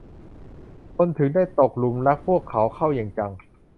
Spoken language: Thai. คนถึงได้ตกหลุมรักพวกเขาเข้าอย่างจัง